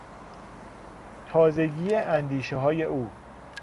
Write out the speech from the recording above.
تازگی اندیشههای او